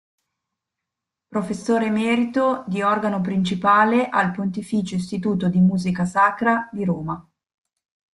Professore Emerito di Organo Principale al Pontificio Istituto di Musica Sacra di Roma.